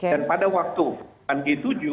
dan pada waktu g tujuh